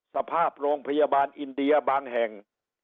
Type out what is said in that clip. สภาพโรงพยาบาลอินเดียบางแห่ง